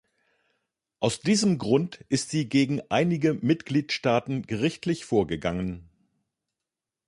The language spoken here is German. Aus diesem Grund ist sie gegen einige Mitgliedstaaten gerichtlich vorgegangen.